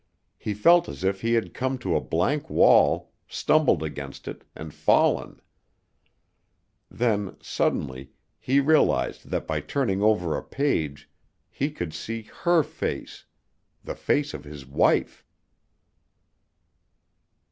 He felt as if he had come to a blank wall, stumbled against it, and fallen. Then, suddenly, he realized that by turning over a page, he could see her face the face of his wife.